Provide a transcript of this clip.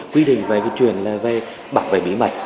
quy định về chuyển bảo vệ bí mật